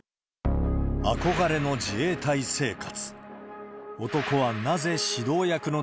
憧れの自衛隊生活。